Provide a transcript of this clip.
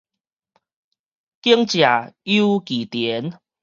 耕者有其田